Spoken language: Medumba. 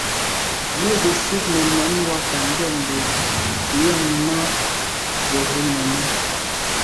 Mə́ gə̀ fít nə̀ nɛ̌n wákà ndɛ̂mbə̄ yɑ̀mə́ má gə̀ rə̌ mòní.